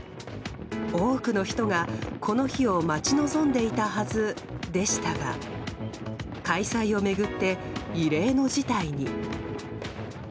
多くの人が、この日を待ち望んでいたはずでしたが開催を巡って異例の事態に。